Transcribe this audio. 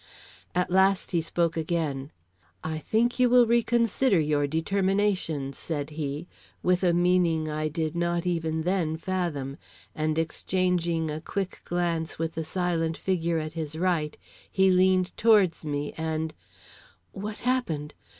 At last he spoke again: "I think you will reconsider your determination," said he, with a meaning I did not even then fathom, and exchanging a quick glance with the silent figure at his right, he leaned towards me and what happened?